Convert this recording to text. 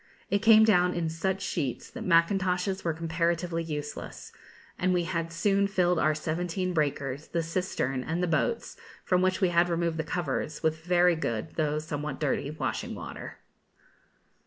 It came down in such sheets that mackintoshes were comparatively useless, and we had soon filled our seventeen breakers, the cistern, and the boats, from which we had removed the covers, with very good, though somewhat dirty, washing water.